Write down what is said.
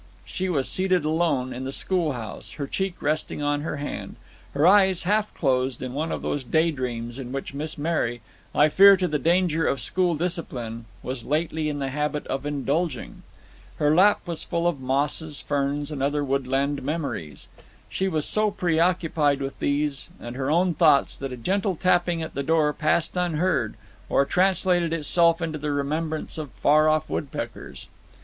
She was seated alone in the schoolhouse, her cheek resting on her hand, her eyes half closed in one of those daydreams in which Miss Mary I fear to the danger of school discipline was lately in the habit of indulging. Her lap was full of mosses, ferns, and other woodland memories. She was so preoccupied with these and her own thoughts that a gentle tapping at the door passed unheard, or translated itself into the remembrance of far off woodpeckers.